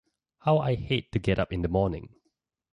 How I Hate to Get Up in the Morning.